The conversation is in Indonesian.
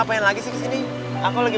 please dengerin aku dulu